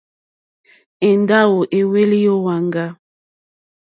Èndáwò èhwélì ó wàŋgá.